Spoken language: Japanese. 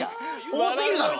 多すぎるだろ。